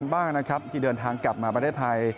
บ้างนะครับที่เดินทางกลับมาประเทศไทย